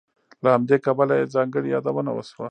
له همدې کبله یې ځانګړې یادونه وشوه.